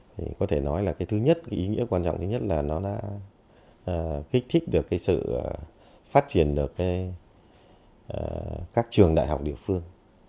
thì có thể nói là cái thứ nhất cái ý nghĩa quan trọng thứ nhất là nó đã kích thích được cái sự phát triển được các trường đại học địa phương